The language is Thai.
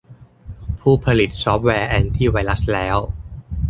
ผู้ผลิตซอฟต์แวร์แอนตี้ไวรัสแล้ว